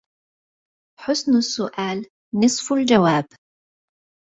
حسن السّؤال نصف الجواب.